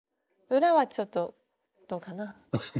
裏はちょっとどうかな。